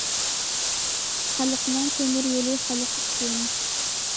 ‹‹ خەلقنىڭ تۆمۈر يولى خەلق ئۈچۈن››.